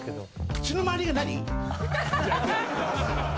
口の周りが何？